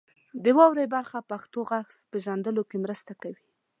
د واورئ برخه پښتو غږ پیژندلو کې مرسته کوي.